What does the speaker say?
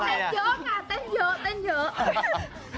เกิดเกิดเกิด